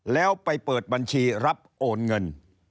แล้วไปเปิดบัญชีรับโอนเงิน